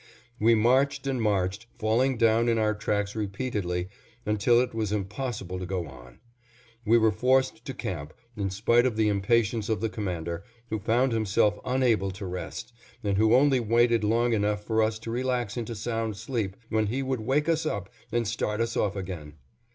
We marched and marched, falling down in our tracks repeatedly, until it was impossible to go on. We were forced to camp, in spite of the impatience of the Commander, who found himself unable to rest, and who only waited long enough for us to relax into sound sleep, when he would wake us up and start us off again.